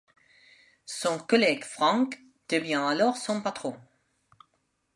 Son collègue Franck devient alors son patron.